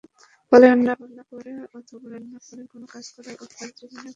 ফলে রান্নাবান্না করা অথবা রান্নাঘরের কোনো কাজ করার অভ্যাস জীবনে গড়ে ওঠেনি।